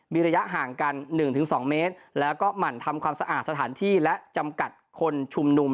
มีระยะห่างกัน๑๒เมตรแล้วก็หมั่นทำความสะอาดสถานที่และจำกัดคนชุมนุม